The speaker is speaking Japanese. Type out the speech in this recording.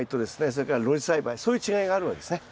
それから露地栽培そういう違いがあるわけですね。